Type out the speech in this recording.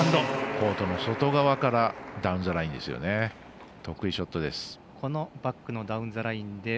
コートの外側からダウンザラインですね。